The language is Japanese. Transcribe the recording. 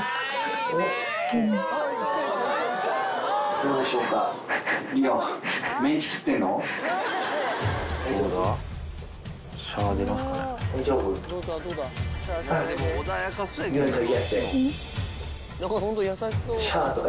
どうでしょうか？